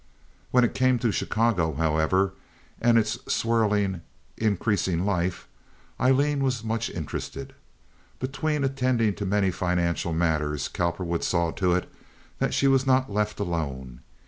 When it came to Chicago, however, and its swirling, increasing life, Aileen was much interested. Between attending to many financial matters Cowperwood saw to it that she was not left alone.